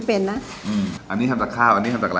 เอากากออก